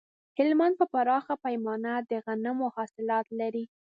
هلمند په پراخه پیمانه د غنمو حاصلات لري